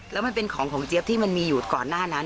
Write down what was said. แล้วมันเป็นของของเจี๊ยบที่มันมีอยู่ก่อนหน้านั้น